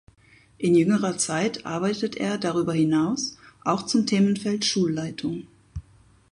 In jüngerer Zeit arbeitet er darüber hinaus auch zum Themenfeld Schulleitung.